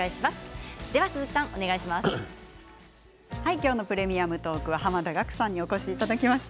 今日の「プレミアムトーク」は濱田岳さんにお越しいただきました。